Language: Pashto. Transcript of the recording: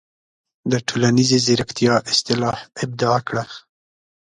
د"ټولنیزې زیرکتیا" اصطلاح ابداع کړه.